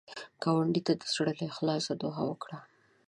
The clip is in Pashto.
ګاونډي ته د زړه له اخلاص دعا وکړه